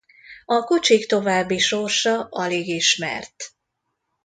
A kocsik további sorsa alig ismert.